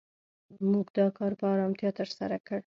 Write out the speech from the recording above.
موږ دا کار په آرامتیا تر سره کړ.